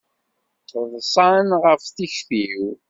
Ḍsan ɣef tikti-w.